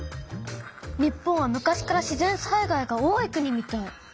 日本は昔から自然災害が多い国みたい。